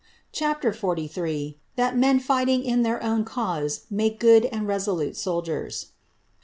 CHAPTER XLIII.—_That Men fighting in their own Cause make good and resolute Soldiers.